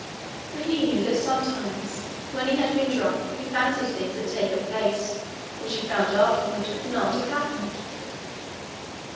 For he knew that sometimes when he had been drunk he fancied things had taken place which he found afterward could not have happened.